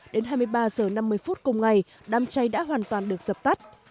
đến hai mươi ba h năm mươi phút cùng ngày đám cháy đã hoàn toàn được dập tắt